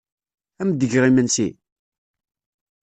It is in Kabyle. Ad am-d-geɣ imensi?